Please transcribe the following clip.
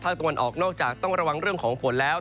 ตะวันออกนอกจากต้องระวังเรื่องของฝนแล้ว